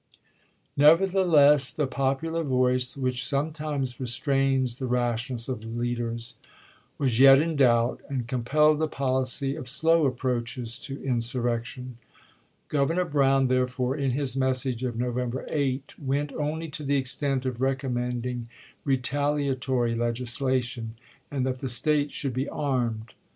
Nevertheless, the popular voice, which sometimes restrains the rashness of leaders, was yet in doubt, and compelled a policy of slow approaches to insur rection. Governor Brown, therefore, in his mes sage of November 8, went only to the extent of i860. recommending retaliatory legislation, and that the State should be armed.